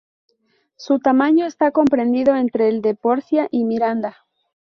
Su tamaño está comprendido entre el de Porcia y Miranda.